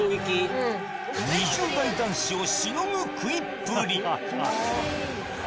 ２０代男子をしのぐ食いっぷり。